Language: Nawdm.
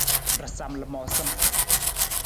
Rasam lamoosam.